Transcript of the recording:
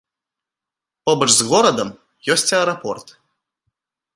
Побач з горадам ёсць аэрапорт.